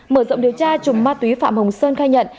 mở rộng điều tra trùng ma túy phạm hồng sơn khai nhận